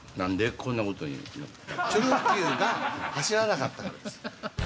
チョロＱが走らなかったからです。